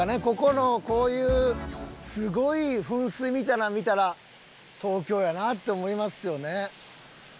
ここのこういうすごい噴水みたいなの見たら東京やなって思いますよね。